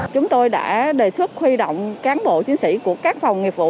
chúng tôi đã đề xuất huy động cán bộ chiến sĩ của các phòng nghiệp vụ